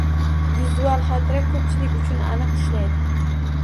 Vizual xotira ko‘pchilik uchun aniq ishlaydi.